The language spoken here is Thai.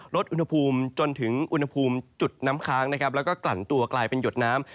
ลดอุณหภูมิจนถึงอุณหภูมิจุดน้ำค้างนะครับแล้วก็กลั่นตัวกลายเป็นหยดน้ำ